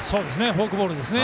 フォークボールですね。